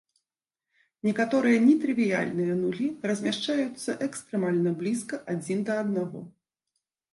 Некаторыя нетрывіяльныя нулі размяшчаюцца экстрэмальна блізка адзін да аднаго.